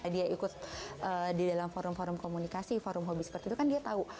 dia ikut di dalam forum forum komunikasi forum hobi seperti itu kan dia tahu